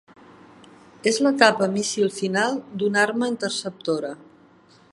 És l"etapa míssil final d"una arma interceptora.